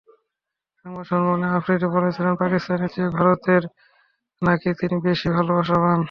সংবাদ সম্মেলনে আফ্রিদি বলেছিলেন, পাকিস্তানের চেয়ে ভারতেই নাকি তিনি বেশি ভালোবাসা পান।